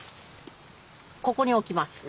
ここに置きます。